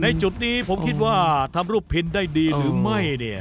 จุดนี้ผมคิดว่าทำรูปพินได้ดีหรือไม่เนี่ย